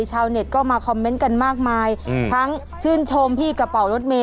ชาวเน็ตก็มาคอมเมนต์กันมากมายอืมทั้งชื่นชมพี่กระเป๋ารถเมย